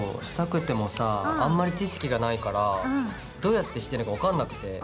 したくてもさあんまり知識がないからどうやってしていいのか分かんなくて。